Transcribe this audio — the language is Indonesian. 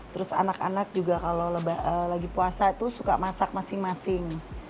terus anak anak juga kalau lagi puasa itu suka masak masing masing